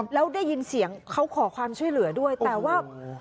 แล้วได้ยินเสียงเขาขอความช่วยเหลือด้วยแต่ว่า